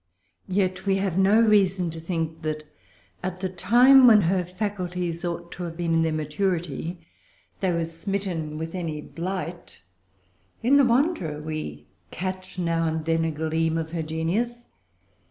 Yet we have no reason to think that at the time when her faculties ought to have been in their maturity they were smitten with any blight. In The Wanderer we catch now and then a gleam of her genius.